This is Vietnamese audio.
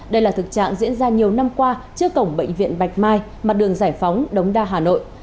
đây là thực trạng diễn ra nhiều năm qua trước cổng bệnh viện bạch mai mặt đường giải phóng đống đa hà nội